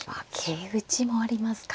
桂打ちもありますか。